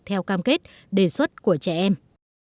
theo cam kết đề xuất của trẻ em